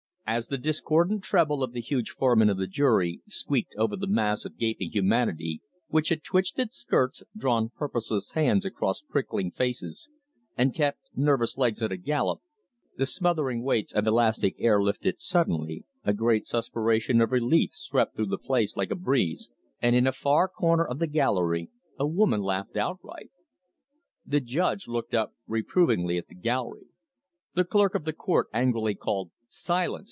As the discordant treble of the huge foreman of the jury squeaked over the mass of gaping humanity, which had twitched at skirts, drawn purposeless hands across prickling faces, and kept nervous legs at a gallop, the smothering weights of elastic air lifted suddenly, a great suspiration of relief swept through the place like a breeze, and in a far corner of the gallery a woman laughed outright. The judge looked up reprovingly at the gallery; the clerk of the court angrily called "Silence!"